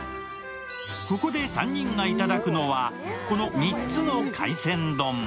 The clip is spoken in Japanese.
ここで３人がいただくのは、この３つの海鮮丼。